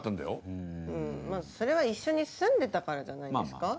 うんそれは一緒に住んでたからじゃないですか？